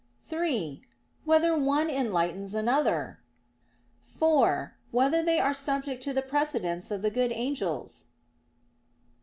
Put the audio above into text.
(3) Whether one enlightens another? (4) Whether they are subject to the precedence of the good angels?